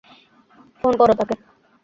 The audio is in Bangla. ফোন করো তাকে।